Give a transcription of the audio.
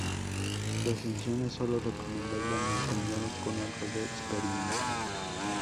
Su ascensión es sólo recomendable a montañeros con algo de experiencia.